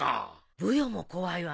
ブヨも怖いわねえ。